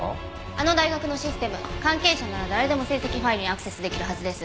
あの大学のシステム関係者なら誰でも成績ファイルにアクセス出来るはずです。